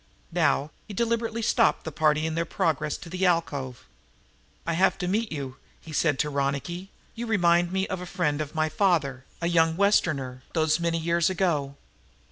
Now he deliberately stopped the party in their progress to the alcove. "I have to meet you," he said to Ronicky. "You remind me of a friend of my father, a young Westerner, those many years ago.